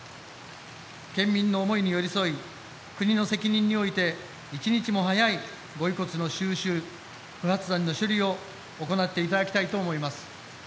県民の思いに寄り添い国の責任において一日も早い、ご遺骨の収集不発弾の処理を行っていただきたいと思います。